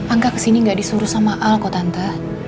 angga kesini gak disuruh sama al kok tante